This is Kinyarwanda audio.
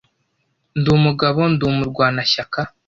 Ndi umugabo ndi umurwanashyaka,